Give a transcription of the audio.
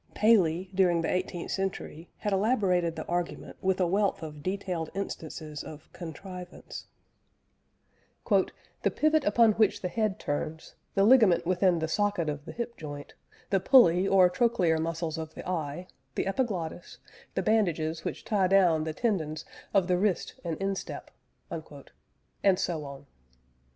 Paley, during the eighteenth century, had elaborated the argument with a wealth of detailed instances of "contrivance": "The pivot upon which the head turns, the ligament within the socket of the hip joint, the pulley or trochlear muscles of the eye; the epiglottis, the bandages which tie down the tendons of the wrist and instep," and so on.